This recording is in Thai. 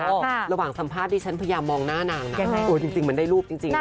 อ่าเจอกันนะคะระหว่างสัมภาษณ์ที่ฉันพยายามมองหน้านางนะค่ะจริงมันได้รูปจริงนะคะ